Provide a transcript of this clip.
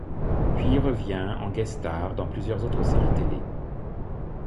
Puis revient en guest-star dans plusieurs autres séries télé.